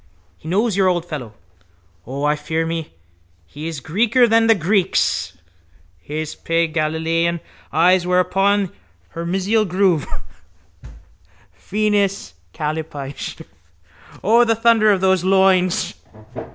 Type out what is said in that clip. He knows your old fellow. O, I fear me, he is Greeker than the Greeks. His pale Galilean eyes were upon her mesial groove. Venus Kallipyge. O, the thunder of those loins!